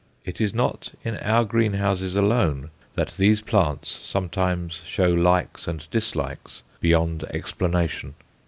It is not in our greenhouses alone that these plants sometimes show likes and dislikes beyond explanation.